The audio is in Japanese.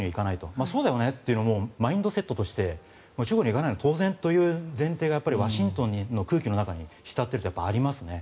ああ、そうだよねってマインドセットとして中国には行かないのは当然という前提がワシントンの空気の中に浸っているとありますね。